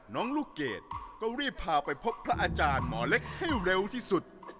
ลูกเกดก็รีบพาไปพบพระอาจารย์หมอเล็กให้เร็วที่สุด